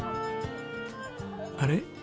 あれ？